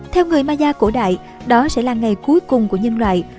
theo người maya cổ đại đó sẽ là ngày cuối cùng của nhân loại